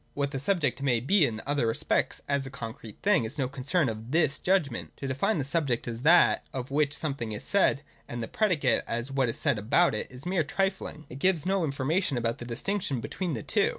What the subject may be in other respects, as a concrete thing, is no concern of /Adjudgment. (Cp. § 31.) To define the subject as that of which something is said, and the predicate as what is said about it, is mere trifling. It gives no information about the distinction between the two.